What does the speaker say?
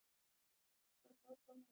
ستا د څیپړو با وجود به غاړه هسکه وړمه